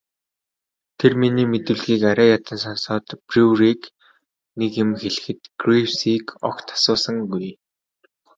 Тэр миний мэдүүлгийг арай ядан сонсоод Бруерыг нэг юм хэлэхэд Гривсыг огт асуусангүй.